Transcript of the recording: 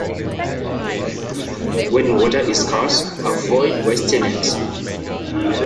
When water is scarce, avoid wasting it.